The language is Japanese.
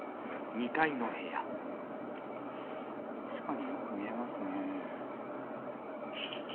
確かによく見えますね。